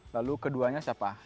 lalu keduanya siapa